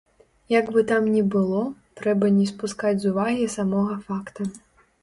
Як бы там ні было, трэба не спускаць з увагі самога факта.